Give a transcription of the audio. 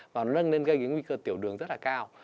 và nó nên gây nguy cơ tiểu đường rất là cao